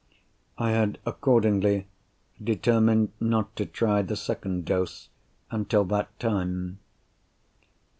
I had accordingly determined not to try the second dose until that time.